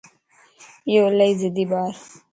ايو الائي ضدي ٻارَ